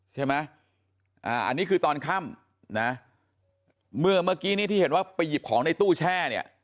ใช่ไหมอ่าอันนี้คือตอนค่ำนะเมื่อเมื่อกี้นี้ที่เห็นว่าไปหยิบของในตู้แช่เนี่ย